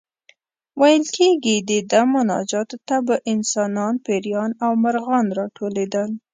ویل کېږي د ده مناجاتو ته به انسانان، پېریان او مرغان راټولېدل.